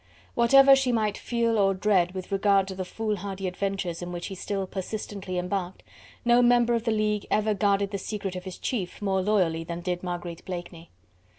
Whatever she might feel or dread with regard to the foolhardy adventures in which he still persistently embarked, no member of the League ever guarded the secret of his chief more loyally than did Marguerite Blakeney.